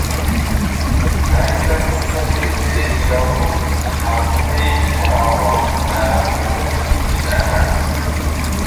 مەرىپەتنىڭ پەزىلىتى يالغۇز خەلقنى پاراۋان ۋە قۇدرەتلىك قىلىشلا ئەمەس.